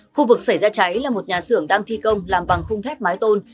khu vực xảy ra cháy là một nhà xưởng đang thi công làm bằng khung thép mái tôn